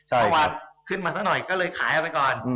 เมื่อวานขึ้นมาสักหน่อยก็เลยขายออกไปก่อน